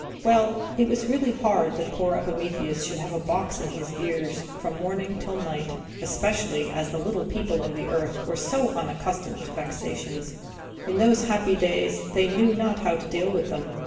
Well, it was really hard that poor Epimetheus should have a box in his ears from morning till night; especially as the little people of the earth were so unaccustomed to vexations, in those happy days, that they knew not how to deal with them.